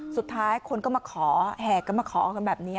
สุดท้ายคนก็มาขอแห่กันมาขอกันแบบนี้